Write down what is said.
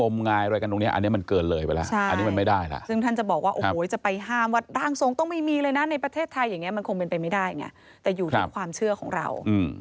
แต่อยู่ที่ความเชื่อของเรา